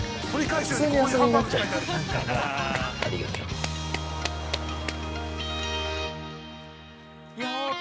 普通に遊びになっちゃいますね。